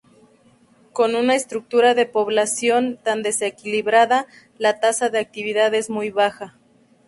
Con una estructura de población tan desequilibrada, la tasa de actividad es muy baja.